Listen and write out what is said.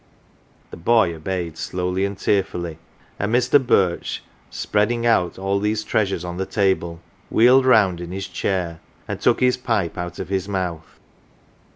The boy obeyed slowly and tearfully, and Mr. Birch spread ing out all these treasures on the ta ble, wheeled round in his chair and took his pipe out of his mouth.